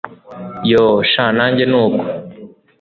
yoooh shn nanjye nuko